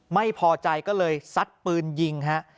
ไม่พอใจก็เลยซัดปืนยิงฮะ